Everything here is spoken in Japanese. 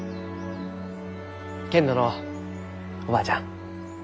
けんどのうおばあちゃん。